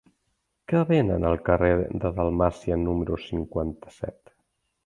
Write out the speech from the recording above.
Què venen al carrer de Dalmàcia número cinquanta-set?